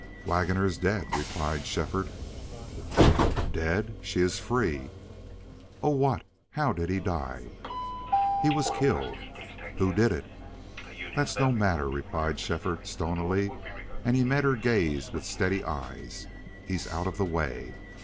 "Waggoner is dead," replied Shefford. "Dead? She is free! Oh, what how did he die?" "He was killed." "Who did it?" "That's no matter," replied Shefford, stonily, and he met her gaze with steady eyes. "He's out of the way.